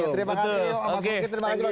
terima kasih pak gita